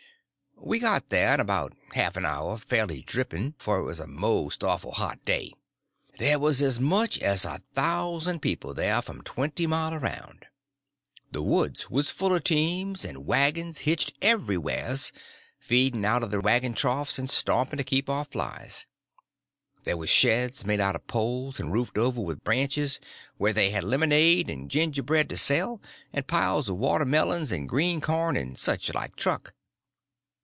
We got there in about a half an hour fairly dripping, for it was a most awful hot day. There was as much as a thousand people there from twenty mile around. The woods was full of teams and wagons, hitched everywheres, feeding out of the wagon troughs and stomping to keep off the flies. There was sheds made out of poles and roofed over with branches, where they had lemonade and gingerbread to sell, and piles of watermelons and green corn and such like truck.